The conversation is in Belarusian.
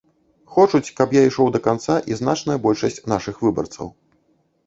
Хочуць, каб я ішоў да канца, і значная большасць нашых выбарцаў.